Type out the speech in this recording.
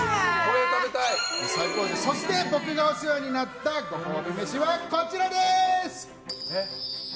そして、僕がお世話になったご褒美飯は、こちらです！